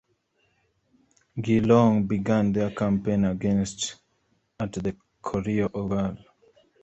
Geelong began their campaign against at the Corio Oval.